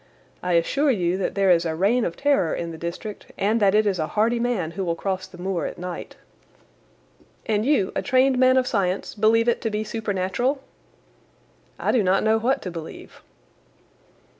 I assure you that there is a reign of terror in the district, and that it is a hardy man who will cross the moor at night." "And you, a trained man of science, believe it to be supernatural?" "I do not know what to believe."